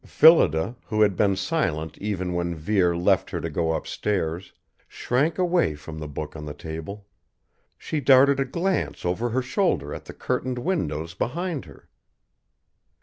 Phillida, who had been silent even when Vere left her to go upstairs, shrank away from the book on the table. She darted a glance over her shoulder at the curtained windows behind her.